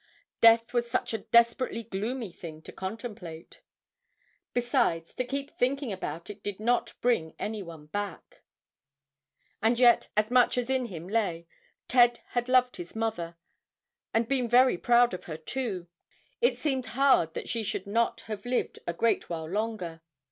Death was such a desperately gloomy thing to contemplate! Besides, to keep thinking about it did not bring any one back. And yet, as much as in him lay, Ted had loved his mother, and been very proud of her too. It seemed hard that she should not have lived a great while longer.